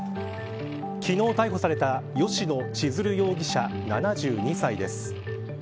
昨日、逮捕された吉野千鶴容疑者７２歳です。